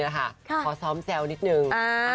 ขอซ้อมแซลพิเศษนิดนึง